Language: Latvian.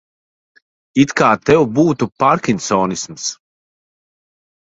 It kā tev būtu pārkinsonisms.